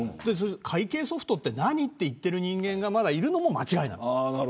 会計ソフトって何って言ってる人間がまだいるのも間違いなの。